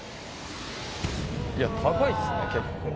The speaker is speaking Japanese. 高いですね、結構。